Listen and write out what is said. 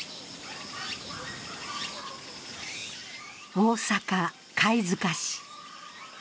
大阪・貝塚市。